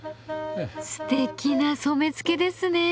すてきな染付ですね。